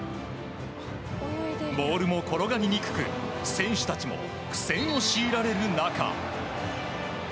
ボールも転がりにくく選手たちも苦戦を強いられる中。